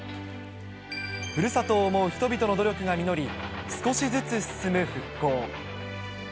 ふるさとを想う人々の努力が実り、少しずつ進む復興。